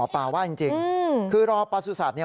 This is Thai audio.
สายลูกไว้อย่าใส่